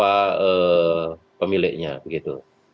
dan memiliki penghuni atau pemiliknya begitu